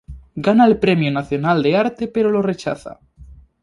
Gana el Premio Nacional de Arte pero lo rechaza.